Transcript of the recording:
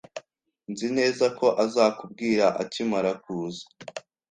Nzi neza ko azakubwira akimara kuza